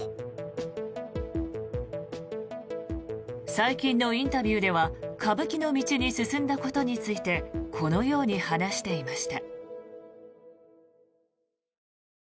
最近のインタビューでは歌舞伎の道に進んだことについてこのように話していました。